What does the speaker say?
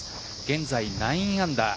現在９アンダー